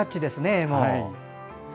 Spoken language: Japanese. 絵も。